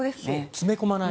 詰め込まない。